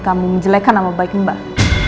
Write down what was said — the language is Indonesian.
kamu menjelekan nama baik mbak